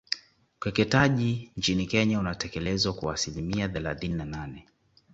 Ukeketaji nchini Kenya unatekelezwa kwa asilimia thelathini na nane